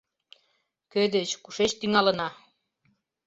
Кӧ деч, кушеч тӱҥалына?